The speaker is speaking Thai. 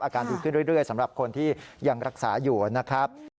อาการดีขึ้นเรื่อยสำหรับคนที่ยังรักษาอยู่นะครับ